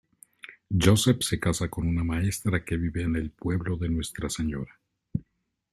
Joseph se casa con una maestra que vive en el pueblo de Nuestra Señora.